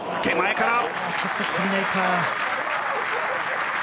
ちょっと足りないか。